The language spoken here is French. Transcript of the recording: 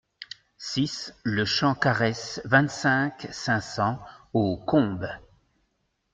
six le Champ Quaresse, vingt-cinq, cinq cents aux Combes